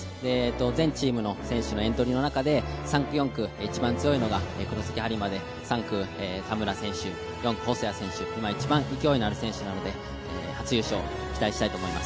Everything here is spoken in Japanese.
全チームの選手のエントリーの中で３区、４区が一番強いのが黒崎播磨で、３区、田村選手４区細谷選手、一番勢いのある選手なので初優勝、期待したいと思います。